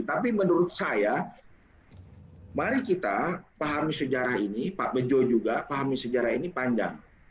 tapi menurut saya mari kita pahami sejarah ini pak bejo juga pahami sejarah ini panjang